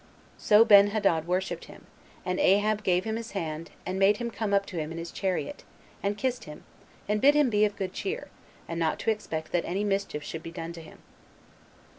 So Benhadad worshipped him; and Ahab gave him his hand, and made him come up to him into his chariot, and kissed him, and bid him be of good cheer, and not to expect that any mischief should be done to him.